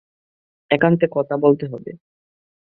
একান্তে কথা বলতে হবে।